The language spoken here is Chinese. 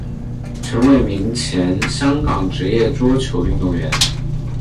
陈伟明前香港职业桌球运动员。